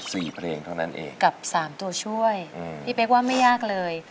เพลงเท่านั้นเองกับสามตัวช่วยอืมพี่เป๊กว่าไม่ยากเลย